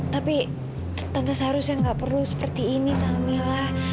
tapi tante seharusnya gak perlu seperti ini sama mila